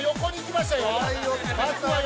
まずは横。